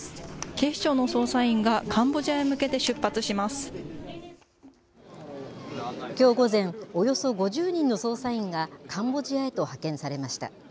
警視庁の捜査員が、きょう午前、およそ５０人の捜査員が、カンボジアへと派遣されました。